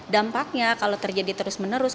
dampaknya kalau terjadi terus menerus